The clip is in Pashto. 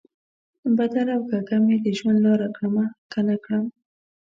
بدله او کږه مې د ژوند لار کړمه، که نه کړم؟